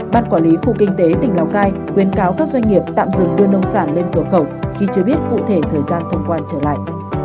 ban quản lý khu kinh tế tỉnh lào cai khuyến cáo các doanh nghiệp tạm dừng đưa nông sản lên cửa khẩu khi chưa biết cụ thể thời gian thông quan trở lại